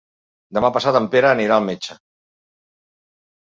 Demà passat en Pere anirà al metge.